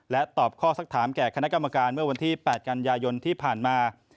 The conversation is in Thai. ตอบข้อสักถามแก่คณะกรรมการเมื่อวันที่๘กันยายนที่ผ่านมา